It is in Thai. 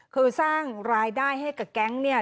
คือสร้างรายได้ให้กับแก๊งเนี่ย